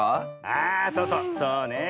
あそうそうそうね。